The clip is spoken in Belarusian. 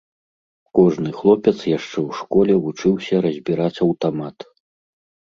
Кожны хлопец яшчэ ў школе вучыўся разбіраць аўтамат.